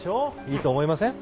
いいと思いません？